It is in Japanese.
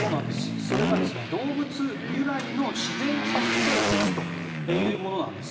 それが動物由来の自然発生説というものなんです。